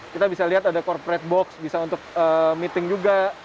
kita bisa lihat ada corporate box bisa untuk meeting juga